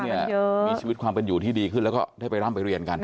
มีชีวิตความเป็นอยู่ที่ดีขึ้นแล้วก็ได้ไปร่ำไปเรียนกัน